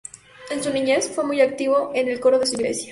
En su niñez fue muy activo en el coro de su iglesia.